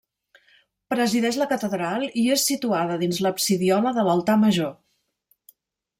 Presideix la catedral i és situada dins l'absidiola de l'altar major.